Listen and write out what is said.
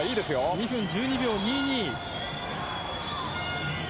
２分１２秒２２。